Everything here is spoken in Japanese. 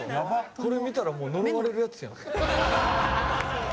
これ見たらもう呪われるやつやん。